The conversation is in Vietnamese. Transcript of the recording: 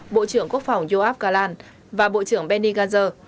bộ trưởng quốc phòng yoav galan và bộ trưởng benny gander